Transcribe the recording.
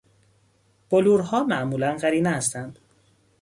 بلورها معمولا قرینه هستند.